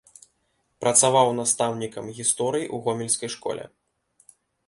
Працаваў настаўнікам гісторыі ў гомельскай школе.